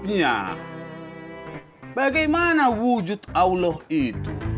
ya bagaimana wujud allah itu